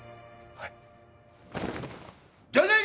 はい！